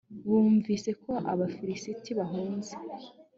bumvise ko abafilisiti bahunze